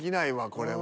これは。